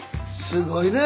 すごいね。